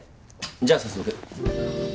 じゃあ早速。